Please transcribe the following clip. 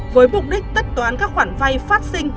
với mục đích tất toán các khoản vay phát sinh